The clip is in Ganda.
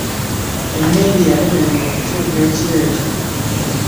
Emmeeri yalemererwa okutuuka ekiro ekyo.